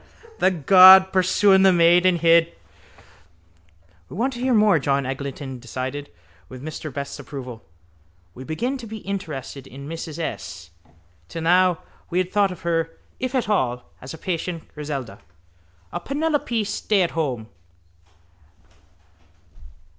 The god pursuing the maiden hid. —We want to hear more, John Eglinton decided with Mr Best's approval. We begin to be interested in Mrs S. Till now we had thought of her, if at all, as a patient Griselda, a Penelope stayathome.